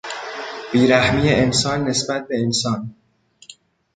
بیرحمی انسان نسبت به انسان